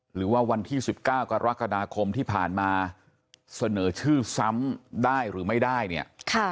หรือว่าวันที่๑๙กรกฎาคมที่ผ่านมาเสนอชื่อซ้ำได้หรือไม่ได้เนี่ย